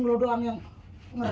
pokoknya kan rapi